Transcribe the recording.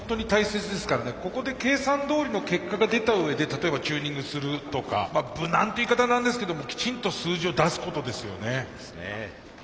ここで計算どおりの結果が出たうえで例えばチューニングするとかまあ無難って言い方はなんですけどもきちんと数字を出すことですよね。